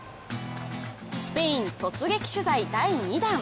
スペイン突撃取材第２弾。